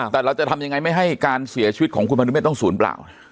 แต่เราจะทำยังไงไม่ให้การเสียชีวิตของคุณพนุเมฆต้องศูนย์เปล่า